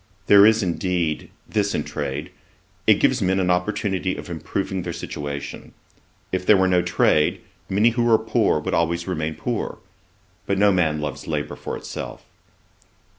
There is, indeed, this in trade: it gives men an opportunity of improving their situation. If there were no trade, many who are poor would always remain poor. But no man loves labour for itself.'